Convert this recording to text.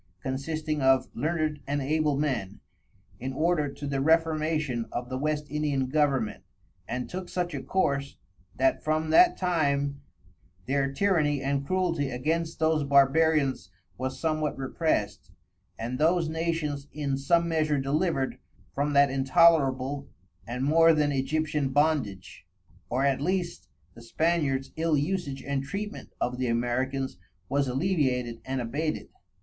consisting of Learned and Able Men, in order to the reformation of the_ West Indian government, and took such a course, that from that time their Tyranny and cruelty against those Barbarians was somewhat repressed, and those Nations in some measure delivered from that intolerable and more then Aegyptian Bondage, or at least the Spaniards ill usage and treatment of the Americans _was alleviated and abated.